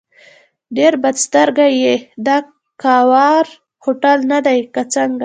ډېر بد سترګی یې، دا کاوور هوټل نه دی که څنګه؟